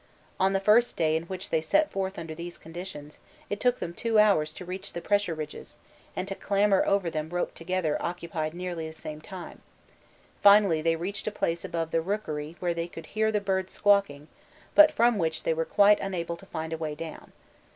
On the first day in which they set forth under these conditions it took them two hours to reach the pressure ridges, and to clamber over them roped together occupied nearly the same time; finally they reached a place above the rookery where they could hear the birds squawking, but from which they were quite unable to find a way down.